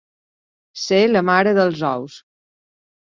Ser la mare dels ous.